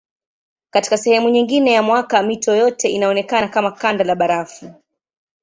Katika sehemu nyingine ya mwaka mito yote inaonekana kama kanda la barafu.